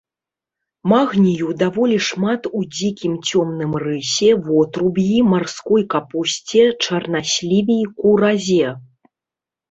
Магнію даволі шмат у дзікім цёмным рысе, вотруб'і, марской капусце, чарнасліве і куразе.